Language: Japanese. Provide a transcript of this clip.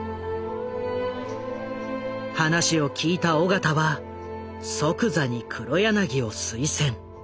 話を聞いた緒方は即座に黒柳を推薦。